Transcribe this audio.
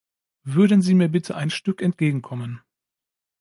Würden Sie mir bitte ein Stück entgegen kommen?